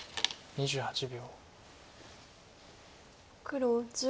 ２８秒。